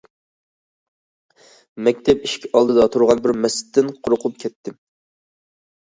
مەكتەپ ئىشىك ئالدىدا تۇرغان بىر مەستتىن قورقۇپ كەتتىم.